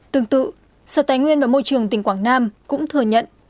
tương tự sở tài nguyên và môi trường tỉnh quảng nam cũng thừa nhận